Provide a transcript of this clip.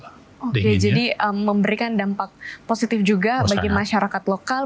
oke jadi memberikan dampak positif juga bagi masyarakat lokal